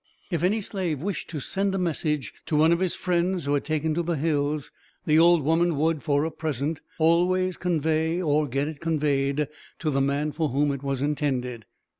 If any slave wished to send a message, to one of his friends who had taken to the hills, the old woman would, for a present, always convey, or get it conveyed, to the man for whom it was intended.